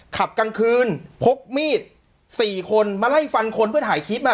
กลางคืนพกมีด๔คนมาไล่ฟันคนเพื่อถ่ายคลิป